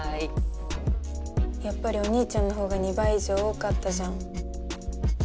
やっぱりお兄ちゃんのほうが２倍以上多かったじゃん。